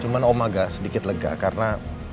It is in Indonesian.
cuma om agak sedikit lega karena